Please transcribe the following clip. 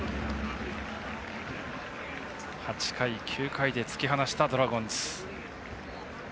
８回、９回で突き放したドラゴンズ。